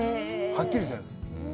はっきりしてるんです。